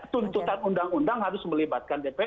tuntutan undang undang harus melibatkan dpr